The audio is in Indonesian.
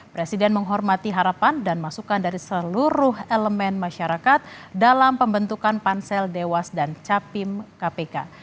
presiden menghormati harapan dan masukan dari seluruh elemen masyarakat dalam pembentukan pansel dewas dan capim kpk